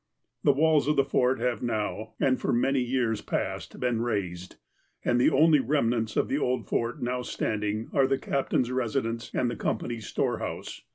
The walls of the Fort have now, and for many years past, been razed, and the only remnants of the old Fort now standing are the captain's residence and the com pany's storehouse.